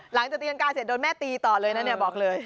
หลังตีรังกาเนี่ยเขาตีต่อเลยนะบอกเลย